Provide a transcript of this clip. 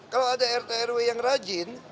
kalau ada rtrw yang rajin